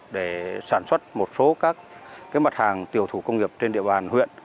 để sản xuất một số các mặt hàng tiểu thủ công nghiệp trên địa bàn huyện